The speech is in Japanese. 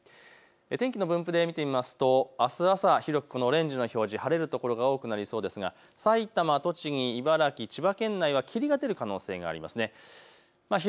天気の分布で見てみますとあすは広くオレンジの表示、晴れる所が多くなりそうですが埼玉、栃木、茨城県は霧となっている可能性がありそうです。